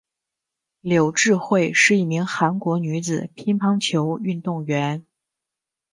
柳智惠是一名韩国女子乒乓球运动员。